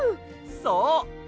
そう！